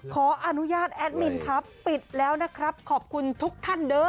ขออนุญาตแอดมินครับปิดแล้วนะครับขอบคุณทุกท่านเด้อ